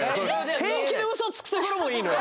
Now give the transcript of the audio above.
平気で嘘つくところもいいのよ